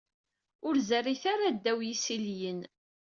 Ur zerrit ara ddaw yisiliyen.